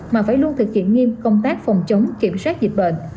mà phải luôn thực hiện nghiêm công tác phòng chống kiểm soát dịch bệnh